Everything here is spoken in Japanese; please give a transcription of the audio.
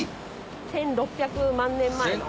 １６００万年前。